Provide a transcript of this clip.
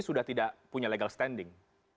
sudah tidak punya legal standing